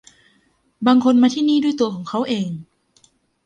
บางคนมาที่นี่ด้วยตัวของเค้าเอง